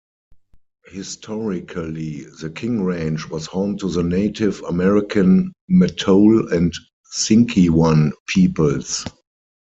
Historically, the King Range was home to the Native American Mattole and Sinkyone peoples.